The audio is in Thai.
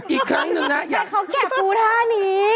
อีกครั้งหนึ่งนะอย่าแกเขาแกะกูท่านี้